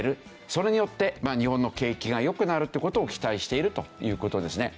それによって日本の景気が良くなるという事を期待しているという事ですね。